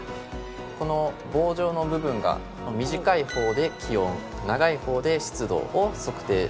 この棒状の部分が短い方で気温長い方で湿度を測定しています。